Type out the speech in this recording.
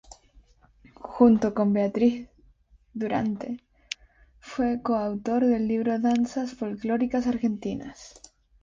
Junto con Beatriz Durante, fue co-autor del libro "Danzas folclóricas argentinas".